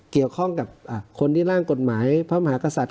เกี่ยวข้องกับคนที่ร่างกฎหมายพระมหากษัตริย